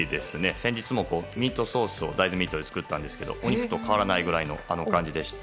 先日、ミートソースを大豆ミートで作ったんですがお肉と変わらないくらいの感じでした。